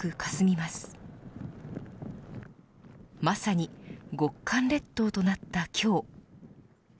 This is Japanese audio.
まさに極寒列島となった今日。